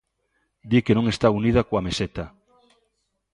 Di que non está unida coa Meseta.